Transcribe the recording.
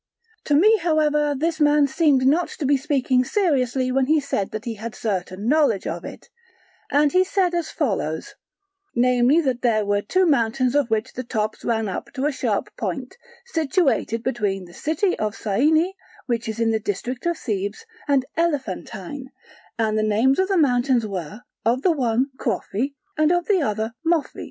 To me however this man seemed not to be speaking seriously when he said that he had certain knowledge of it; and he said as follows, namely that there were two mountains of which the tops ran up to a sharp point, situated between the city of Syene, which is in the district of Thebes, and Elephantine, and the names of the mountains were, of the one Crophi and of the other Mophi.